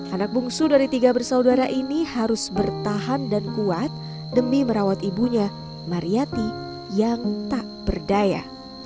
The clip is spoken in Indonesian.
anak bungsu dari tiga bersaudara ini harus bertahan dan kuat demi merawat ibunya mariyati yang tak berdaya